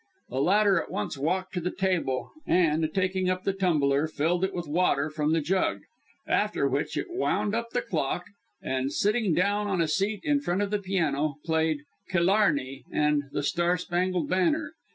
The latter at once walked to the table, and, taking up the tumbler, filled it with water from the jug; after which it wound up the clock, and, sitting down on a seat in front of the piano, played "Killarney" and "The Star spangled Banner."